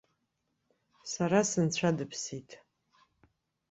Сара сынцәа дыԥсит.